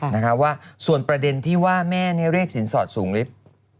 นะคะว่าส่วนประเด็นที่ว่าแม่เนี่ยเรียกสินสอดสูงลิฟต์